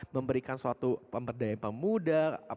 memberikan suatu pemberdayaan pemuda